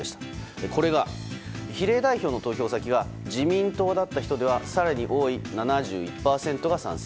これが比例代表の投票先が自民党だった人では更に多い７１％が賛成。